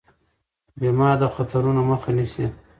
بیمه د خطرونو مخه نیسي.